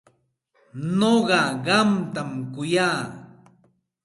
Nuqa qamta kuyaq.